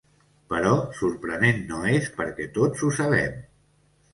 Però sorprenent no és perquè tots ho sabem.